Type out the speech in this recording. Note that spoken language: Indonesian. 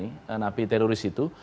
mengajak dialog para napi teroris itu